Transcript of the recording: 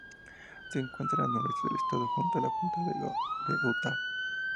Se encuentra al noreste del estado, junto a la frontera con Utah.